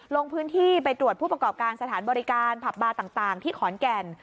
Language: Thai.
ลงพื้นที่ไปตรวจผู้ประกอบการสถานบริการผับบาร์ต่างที่ขอนแก่น